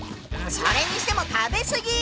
それにしても食べ過ぎ！